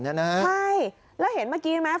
ใช่แล้วเห็นเมื่อกี้ไหม